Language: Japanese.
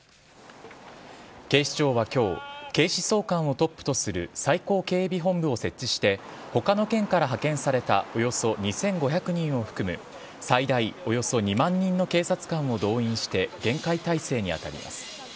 警視庁はきょう、警視総監をトップとする最高警備本部を設置して、ほかの県から派遣されたおよそ２５００人を含む、最大およそ２万人の警察官を動員して、厳戒態勢に当たります。